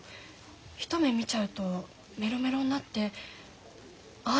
一目見ちゃうとメロメロになってああ